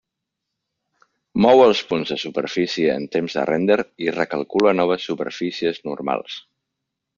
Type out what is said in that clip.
Mou els punts de superfície en temps de render i recalcula noves superfícies normals.